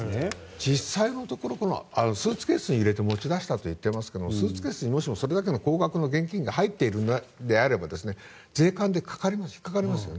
実際のところスーツケースに入れて持ち出したと言っていますがスーツケースにそれだけの現金が入っているのであれば税関で引っかかりますよね。